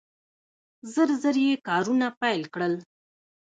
ژر ژر یې کارونه پیل کړل.